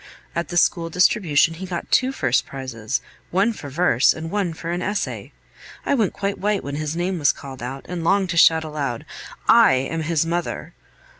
At the school distribution he got two first prizes one for verse, and one for an essay. I went quite white when his name was called out, and longed to shout aloud, "I am his mother!"